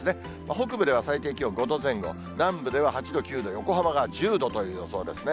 北部では最低気温５度前後、南部では８度、９度、横浜が１０度という予想ですね。